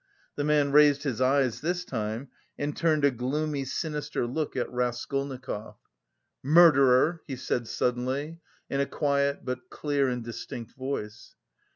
The man raised his eyes this time and turned a gloomy sinister look at Raskolnikov. "Murderer!" he said suddenly in a quiet but clear and distinct voice.